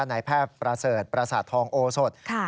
นายแพทย์ประเสริฐประสาททองโอสด